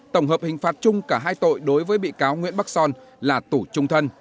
tổng hợp hình phạt chung cả hai tội đối với bị cáo nguyễn bắc son là tù trung thân